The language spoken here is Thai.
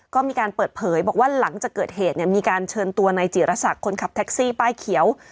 ก็มีการเปิดเผยบอกว่าหลังจากเกิดเหตุมีการเชิญตัวนายจิรษักคนขับแท็กซี่ป้ายเขียว